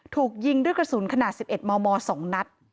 ถูกยิงด้วยกระสุนขนาด๑๑มม๒นัด